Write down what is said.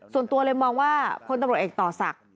ส่วนตัวเลยมองว่าพลตำรวจเอกต่อศักดิ์